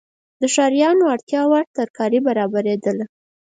د ښاریانو اړتیاوړ ترکاري برابریدله.